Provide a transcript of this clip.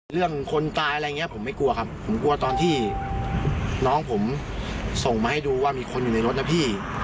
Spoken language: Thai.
คนตายอะไรอย่างนี้ผมไม่กลัวครับผมกลัวตอนที่น้องผมส่งมาให้ดูว่ามีคนอยู่ในรถนะพี่